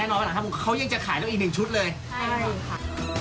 แน่นอนว่าหลัง๕โมงเขายังจะขายแล้วอีก๑ชุดเลยใช่ค่ะ